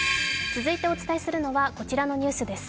続いてお伝えするのはこちらのニュースです。